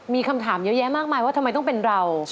มีคำถามเยอะแยะมากมายว่าทำไมต้องเป็นเรา